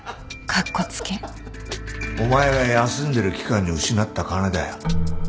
カッコ付けお前が休んでる期間に失った金だよ。